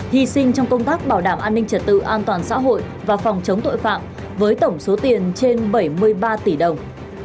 hy sinh trong công tác bảo đảm an ninh trật tự an toàn xã hội và phòng chống tội phạm với tổng số tiền trên bảy mươi ba tỷ đồng